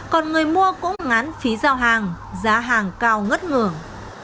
còn người mua cũng ngán phí giao hàng giá hàng cao ngất ngường